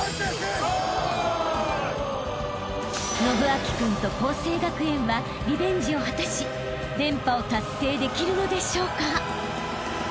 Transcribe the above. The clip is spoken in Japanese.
［伸光君と佼成学園はリベンジを果たし連覇を達成できるのでしょうか？］